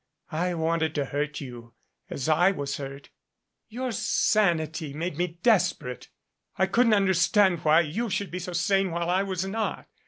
I wanted to hurt you as I was hurt. Your sanity made me des perate. I couldn't understand why you should be so sane while I was not.